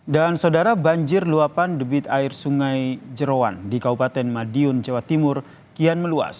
dan saudara banjir luapan debit air sungai jerawan di kabupaten madiun jawa timur kian meluas